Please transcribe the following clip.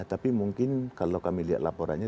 tapi mungkin kalau kami lihat laporannya